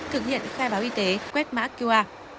thực hiện khai báo y tế quét mã qr